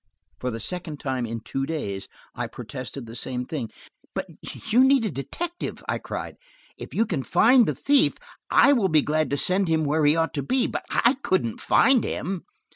For the second time in two days I protested the same thing. "But you need a detective," I cried. "If you can find the thief I will be glad to send him where he ought to be, but I couldn't find him."